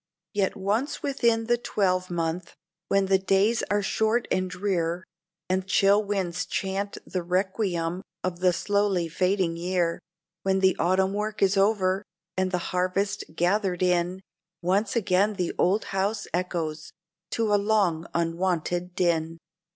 Yet once within the twelvemonth, when the days are short and drear, And chill winds chant the requiem of the slowly fading year, When the autumn work is over, and the harvest gathered in, Once again the old house echoes to a long unwonted din.